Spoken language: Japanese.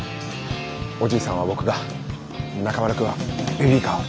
おじいさんは僕が中村くんはベビーカーを。